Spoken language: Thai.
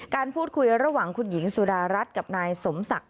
การพูดคุยระหว่างคุณหญิงสุดารัฐกับนายสมศักดิ์